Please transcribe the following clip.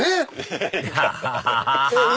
アハハハ